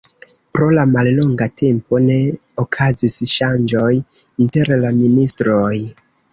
Pro la mallonga tempo ne okazis ŝanĝoj inter la ministroj.